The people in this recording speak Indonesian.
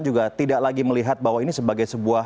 juga tidak lagi melihat bahwa ini sebagai sebuah